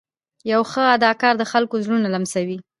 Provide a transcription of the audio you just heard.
یو ښه اداکار د خلکو زړونه لمسوي.